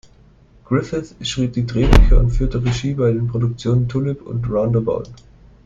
Griffith schrieb die Drehbücher und führte Regie bei den Produktionen "Tulip" und "Roundabout".